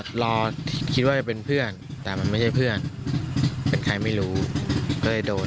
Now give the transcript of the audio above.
รอคิดว่าจะเป็นเพื่อนแต่มันไม่ใช่เพื่อนเป็นใครไม่รู้ก็เลยโดน